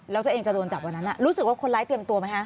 แล้วตัวเองจะโดนจับวันนั้นรู้สึกว่าคนร้ายเตรียมตัวไหมคะ